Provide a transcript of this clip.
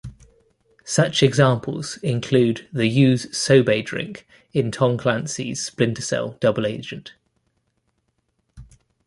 Such examples include the use Sobe drink in Tom Clancy's Splinter Cell: Double Agent.